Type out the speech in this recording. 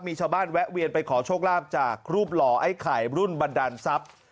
มีชาวบ้านแวะเวียนไปขอโชคลาภจากรูปหล่อไอ้ไข่รุ่นบันดาลทรัพย์